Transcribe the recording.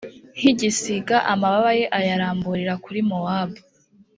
nk’igisiga amababa ye ayaramburire kuri mowabu